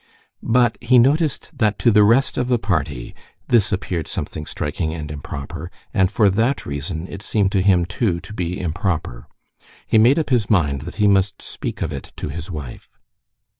But he noticed that to the rest of the party this appeared something striking and improper, and for that reason it seemed to him too to be improper. He made up his mind that he must speak of it to his wife.